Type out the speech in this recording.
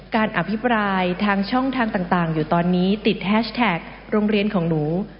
อภิปรายทางช่องทางต่างอยู่ตอนนี้ติดแฮชแท็กโรงเรียนของหนู